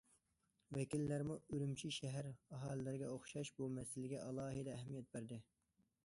ۋەكىللەرمۇ ئۈرۈمچى شەھەر ئاھالىلىرىگە ئوخشاش بۇ مەسىلىگە ئالاھىدە ئەھمىيەت بەردى.